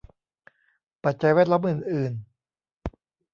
ปัจจัยแวดล้อมอื่นอื่น